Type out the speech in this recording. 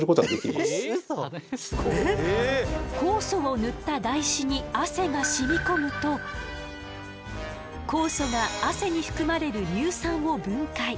酵素を塗った台紙に汗が染み込むと酵素が汗に含まれる乳酸を分解。